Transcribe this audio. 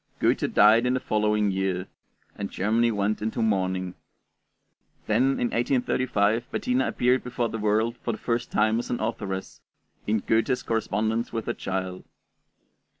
Goethe died in the following year, and Germany went into mourning. Then in 1835 Bettina appeared before the world for the first time as an authoress, in 'Goethe's Correspondence with a Child.'